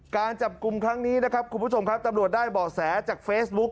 การจับกลุ่มครั้งนี้นะครับคุณผู้ชมครับตำรวจได้เบาะแสจากเฟซบุ๊ค